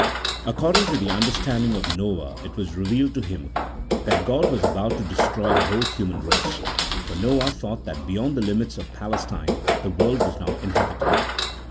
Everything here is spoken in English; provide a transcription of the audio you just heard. According to the understanding of Noah it was revealed CHAP. II.] OF PROPHETS. 35 to hiin that God was about to destroy the whole human race, for Noah thought that beyond the limits of Palestine the world was not inhabited.